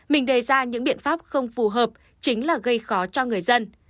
mình đề ra những biện pháp không phù hợp chính là gây khó cho người dân